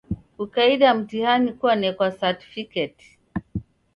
Kukaida mtihani kwanekwa satfiketi.